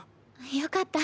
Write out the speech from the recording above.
よかった。